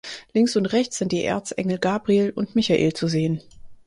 Links und rechts sind die Erzengel Gabriel und Michael zu sehen.